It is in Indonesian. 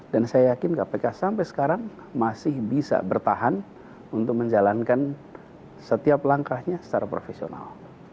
dan saya yakin kpk sampai sekarang masih bisa bertahan untuk menjalankan setiap langkahnya secara profesional